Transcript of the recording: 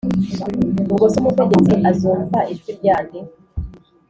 ubwo se Umutegetsi azumva ijwi rya nde?